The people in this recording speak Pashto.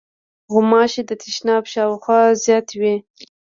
غوماشې د تشناب شاوخوا زیاتې وي.